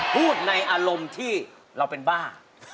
พูดในอารมณ์ที่เราเป็นบ้า